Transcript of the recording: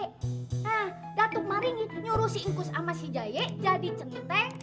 nah datuk maringgi nyuruh si ingkus sama si jaye jadi centeng